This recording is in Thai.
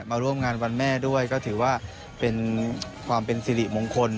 มาร่วมงานวันแม่ด้วยก็ถือว่าเป็นความเป็นสิริมงคล